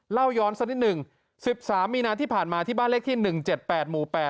เล่าย้อนสักนิดหนึ่ง๑๓มีนาที่ผ่านมาที่บ้านเลขที่๑๗๘หมู่๘